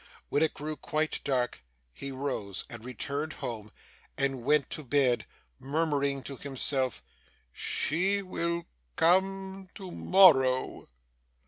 When it grew quite dark, he rose and returned home, and went to bed, murmuring to himself, 'She will come to morrow!